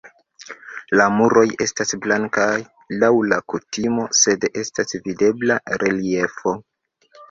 La muroj estas blankaj laŭ la kutimo, sed estas videbla reliefo.